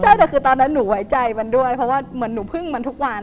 ใช่แต่คือตอนนั้นหนูไว้ใจมันด้วยเพราะว่าเหมือนหนูพึ่งมันทุกวัน